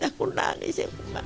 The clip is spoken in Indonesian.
saya juga menangis